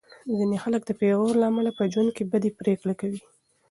ځینې خلک د پېغور له امله په ژوند کې بدې پرېکړې کوي.